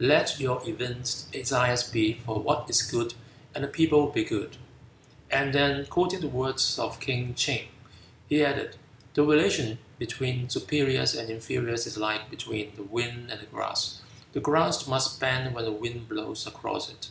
Let your evinced desires be for what is good and the people will be good." And then quoting the words of King Ching, he added, "The relation between superiors and inferiors is like that between the wind and the grass. The grass must bend when the wind blows across it."